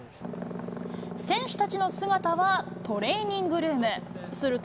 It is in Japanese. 選手たちの姿はトレーニングルーム。